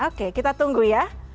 oke kita tunggu ya